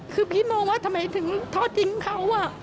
คือพี่มองว่าทำไมถึงทอดทิ้งเขา